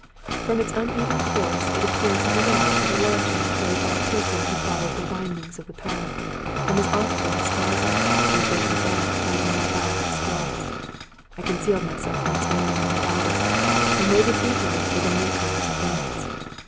From its uneven course it appeared to be the light of a lantern carried by a person who followed the windings of the path, and was often staggered, and taken aback by the more violent squalls. I concealed myself once more among the elders, and waited eagerly for the new comer's advance.